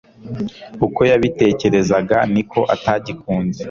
uko yabitekerezaga, niko atagikunze